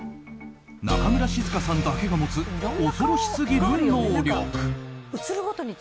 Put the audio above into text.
中村静香さんだけが持つ恐ろしすぎる能力。